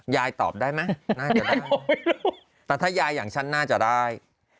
ยายตอบได้ไหมน่าจะได้แต่ถ้ายายอย่างฉันน่าจะได้